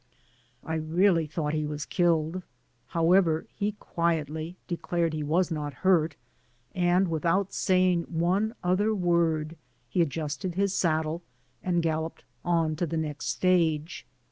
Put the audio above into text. I really thought he was killed; however he quietly declared he was not hurt, and, without say ing one other word, he adjusted his saddle, and gaUoped on to the next stage.